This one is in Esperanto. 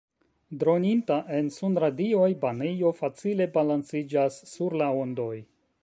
Droninta en sunradioj banejo facile balanciĝas sur la ondoj.